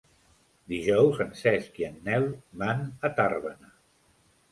Dijous en Cesc i en Nel van a Tàrbena.